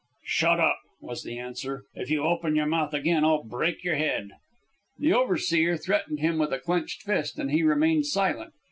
"Shut up!" was the answer. "If you open your mouth again, I'll break your head." The overseer threatened him with a clenched fist, and he remained silent.